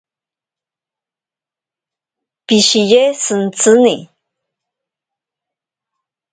Pishiye shintsini.